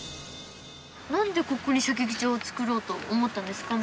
何でここに射撃場を作ろうと思ったんですか？